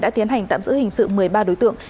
đã tiến hành tạm giữ hình sự một mươi ba đối tượng